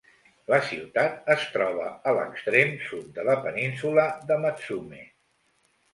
La ciutat es troba a l'extrem sud de la península de Matsumae.